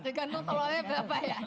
tergantung kalau apa ya